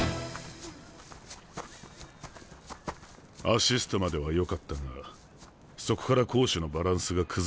アシストまではよかったがそこから攻守のバランスが崩れたな。